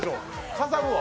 飾るわ。